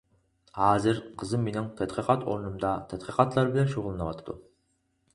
ھازىر قىزىم مېنىڭ تەتقىقات ئورنۇمدا تەتقىقاتلار بىلەن شۇغۇللىنىۋاتىدۇ.